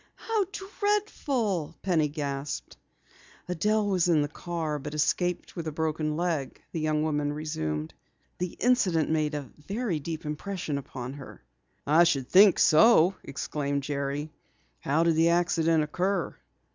"How dreadful!" Penny gasped. "Adelle was in the car but escaped with a broken leg," the young woman resumed. "The incident made a very deep impression upon her." "I should think so!" exclaimed Jerry. "How did the accident occur?"